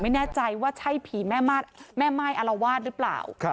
ไม่แน่ใจว่าใช่ผีแม่ม่ายอารวาสหรือเปล่า